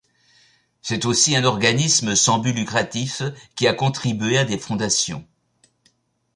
C'est aussi un organisme sans but lucratif qui a contribué à des fondations.